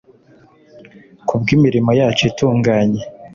ku bw'imirimo yacu itunganye